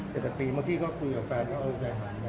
เมื่อกี้ก็คุยกับแฟนเนี่ยการใจหันครับ